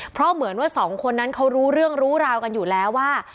เพราะเหมือนว่าสองคนนั้นเขารู้เรื่องรู้ราวกันอยู่แล้วว่า